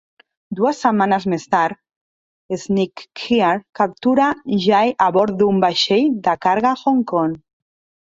Dues setmanes més tard, Snakehead capture Jai a bord d'un vaixell de carga a Hong Kong.